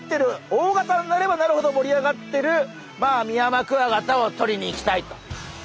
大型になればなるほど盛り上がってるミヤマクワガタをとりに行きたいと。